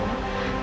tapi gue gak jahat